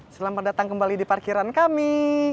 selamat datang kembali di parkiran kami